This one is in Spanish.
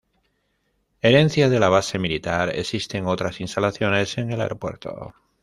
Herencia de la base militar, existen otras instalaciones en el aeropuerto.